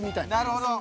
なるほど。